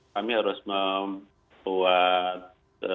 kami harus membuat